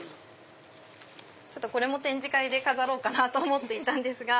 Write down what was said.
これも展示会で飾ろうかなと思っていたんですが。